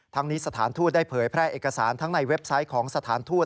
ทั้งนี้สถานทูตได้เผยแพร่เอกสารทั้งในเว็บไซต์ของสถานทูต